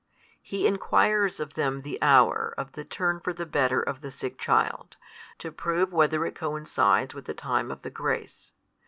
He enquires of them the hour of the turn for the better of the sick child, to prove whether it coincides with the time of the grace.